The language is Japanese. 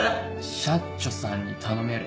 シャッチョさんに頼める？